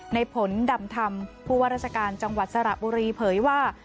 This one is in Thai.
ในผลดำธรรมผู้ว่าราชการจังหวัดสระบุรีเผยว่า